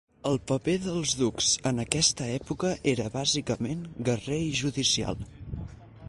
El paper dels ducs en aquesta època era bàsicament guerrer i judicial.